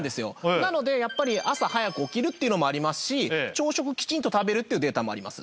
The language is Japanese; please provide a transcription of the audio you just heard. なのでやっぱり朝早く起きるっていうのもありますし朝食きちんと食べるっていうデータもあります。